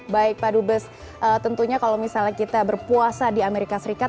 baik pak dubes tentunya kalau misalnya kita berpuasa di amerika serikat